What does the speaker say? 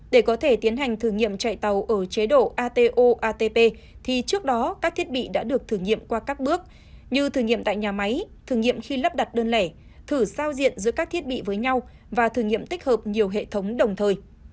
để có thể tiến hành thử nghiệm chạy tàu ở chế độ ato atp thì trước đó các thiết bị đã được thử nghiệm qua các bước như thử nghiệm tại nhà máy thử nghiệm khi lắp đặt đơn lẻ thử sao diện giữa các thiết bị với nhau và thử nghiệm tích hợp nhiều hệ thống đồng thời